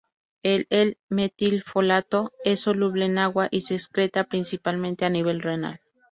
El L-metilfolato es soluble en agua y se excreta principalmente a nivel renal.